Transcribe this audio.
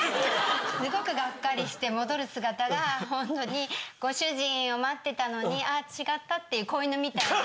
すごくガッカリして戻る姿がホントにご主人を待ってたのに「あぁ違った」っていう子犬みたいで。